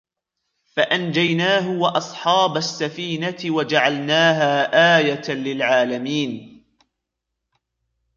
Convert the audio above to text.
فأنجيناه وأصحاب السفينة وجعلناها آية للعالمين